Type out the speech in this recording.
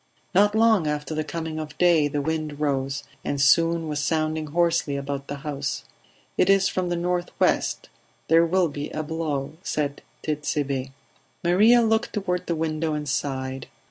Not long after the coming of day the wind rose, and soon was sounding hoarsely about the house. "It is from the nor'west; there will be a blow," said Tit'Sebe. Maria looked toward the window and sighed.